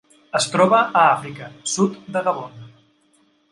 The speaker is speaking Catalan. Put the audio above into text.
Es troba a Àfrica: sud de Gabon.